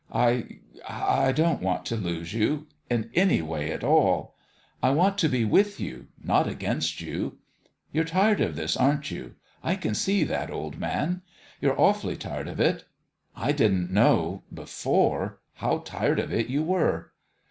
I I don't want to lose you in any way at all. I want to be with you not against you. You're tired of this, aren't you? I can see that, old man. You're awfully tired of it. I didn't know before how tired of it you were.